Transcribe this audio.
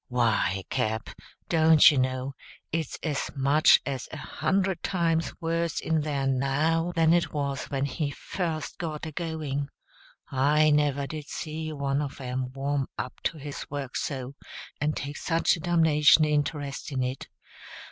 Why, Cap., don't you know, it's as much as a hundred times worse in there now than it was when he first got a going. I never did see one of 'em warm up to his work so, and take such a dumnation interest in it.